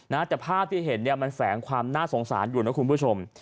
นะแต่ภาพที่เห็นเนี่ยมันแฝงความน่าสงสารอยู่นะคุณผู้ชม